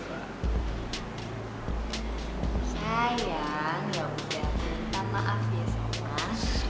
sayang yaudah minta maaf ya sama